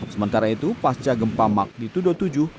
sementara itu pasca gempa mak di tuduh tujuh